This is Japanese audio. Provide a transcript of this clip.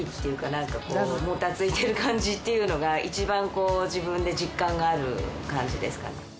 何かこうもたついてる感じっていうのが一番こう自分で実感がある感じですかね